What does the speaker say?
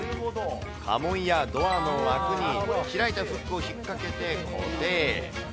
かもいやドアの枠に開いたフックを引っ掛けて固定。